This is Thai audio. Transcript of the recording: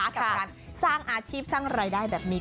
กับการสร้างอาชีพสร้างรายได้แบบนี้